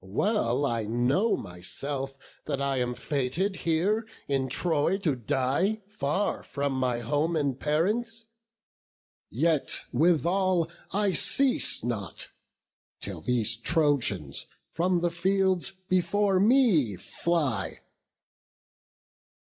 well I know myself That I am fated here in Troy to die, Far from my home and parents; yet withal I cease not, till these Trojans from the field Before me fly."